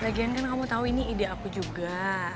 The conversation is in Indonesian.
lagian kan kamu tahu ini ide aku juga